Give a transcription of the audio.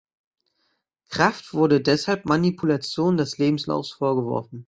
Kraft wurde deshalb Manipulation des Lebenslaufs vorgeworfen.